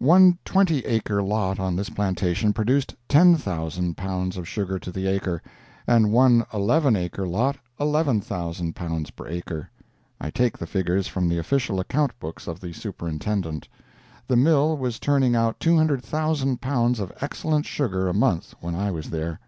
One twenty acre lot on this plantation produced 10,000 pounds of sugar to the acre, and one eleven acre lot 11,000 pounds per acre. I take the figures from the official account books of the Superintendent. The mill was turning out 200,000 pounds of excellent sugar a month when I was there.